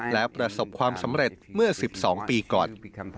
และประสบความสำเร็จเมื่อ๑๒ปีก่อน